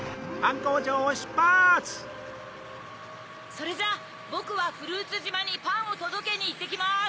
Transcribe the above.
それじゃあボクはフルーツじまにパンをとどけにいってきます。